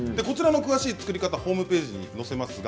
詳しい作り方ホームページに載せます。